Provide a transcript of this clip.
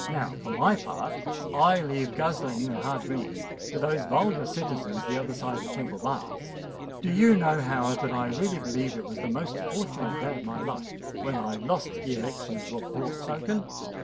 "Now, for my part, I leave guzzling and hard drinking to those vulgar citizens the other side of Temple Bar. Do you know, Howard, that I really believe it was the most fortunate day of my life when I lost the election for Portsoken?